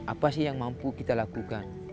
apa sih yang mampu kita lakukan